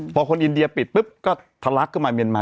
พอคนอินเดียปิดปุ๊บก็ทะลักเข้ามาเมียนมา